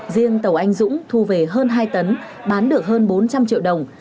riêng tàu anh dũng thu về hơn hai tấn bán được hơn bốn trăm linh triệu đồng